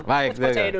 kita percaya dulu